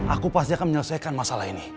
aku pasti akan menyelesaikan masalah ini